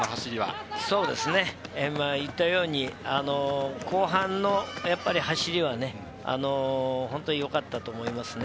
言ったように後半の走りは、本当に良かったと思いますね。